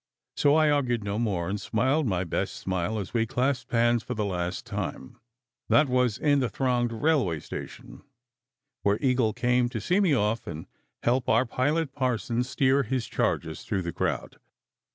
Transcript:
So I argued no more, and smiled my best smile as we clasped hands for the last time. That was in the thronged railway station, where Eagle came to see me off and help our pilot parson steer his charges through the crowd.